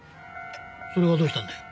それがどうしたんだよ？